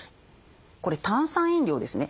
これ炭酸飲料ですね。